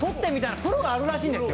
プロがあるらしいんですよ